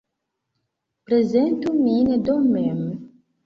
Prezentu min do mem!